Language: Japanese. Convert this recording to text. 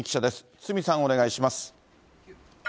堤さん、お願いします。